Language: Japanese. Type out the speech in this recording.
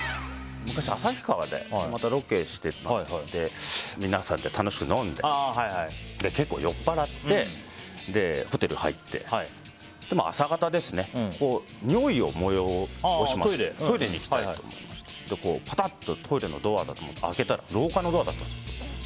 昔、旭川でロケしてて皆さんで楽しく飲んで結構、酔っ払ってホテルに入って朝方ですね、尿意を催しましてトイレに行きたいなと思ってぱたっとトイレのドアを開けたら廊下のドアだったんです。